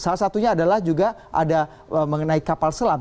salah satunya adalah juga ada mengenai kapal selam